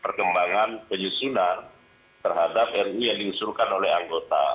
perkembangan penyusunan terhadap ruu yang diusulkan oleh anggota